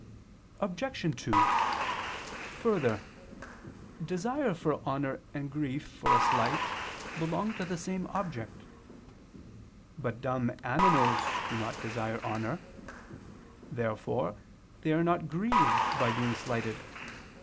Obj. 2: Further, desire for honor and grief for a slight belong to the same subject. But dumb animals do not desire honor. Therefore they are not grieved by being slighted.